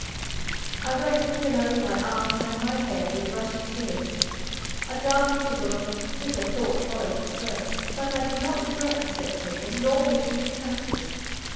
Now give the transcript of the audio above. I wet the pillow, my arms, and my hair, with rushing tears. A dark interval of most bitter thought followed this burst; but I did not regret the step taken, nor wish to retract it.